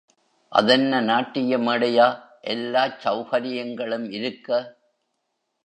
அதென்ன, நாட்டிய மேடையா, எல்லாச் செளகரியங்களும் இருக்க?